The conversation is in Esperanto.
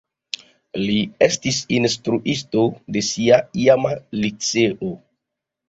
Li estis instruisto de sia iama liceo.